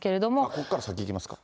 ここから先いきますか。